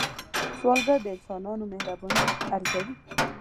سوالګر د انسانانو مهرباني ارزوي